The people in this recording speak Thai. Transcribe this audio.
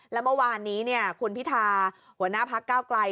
แล้วเมื่อวานนี้คุณพิธาหัวหน้าพักเก้าไกล